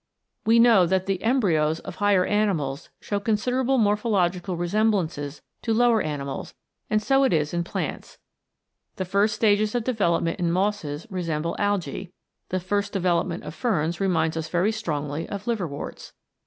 We know that the embryos of higher animals show considerable morphological re semblances to lower animals, and so it is in plants. The first stages of development in mosses resemble algae, the first development of ferns reminds us very strongly of liverworts.